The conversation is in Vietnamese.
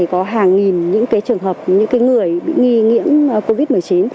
có hàng nghìn những trường hợp những người bị nghi nhiễm covid một mươi chín